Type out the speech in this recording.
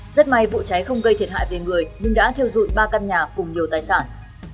rất may vụ cháy không gây thiệt hại về người nhưng đã thiêu dụi ba căn nhà cùng nhiều tài sản